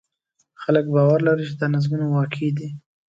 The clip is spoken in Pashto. خلک باور لري چې دا نظمونه واقعي دي.